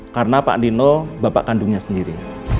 karena pak andino bapak kandungnya sendiri